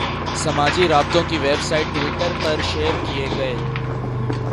سماجی رابطوں کی ویب سائٹ ٹوئٹر پر شیئر کیے گئے